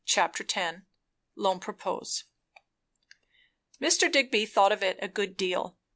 CHAPTER X. L'HOMME PROPOSE. Mr. Digby thought of it a good deal.